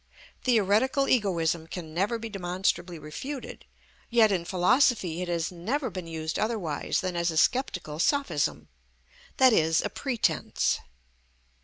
Theoretical egoism can never be demonstrably refuted, yet in philosophy it has never been used otherwise than as a sceptical sophism, i.e., a pretence.